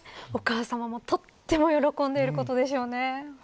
お母さまもとても喜んでいることでしょうね。